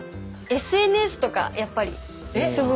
ＳＮＳとかやっぱりすごい。